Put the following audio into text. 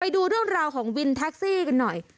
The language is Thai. ดูเรื่องราวของวินแท็กซี่กันหน่อย